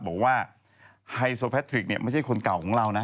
บอกว่าไฮโซแพตริกไม่ใช่คนเก่าของเรานะ